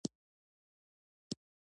د کندهار په معروف کې د مالګې نښې شته.